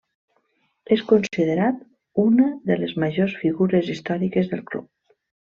És considerat una de les majors figures històriques del club.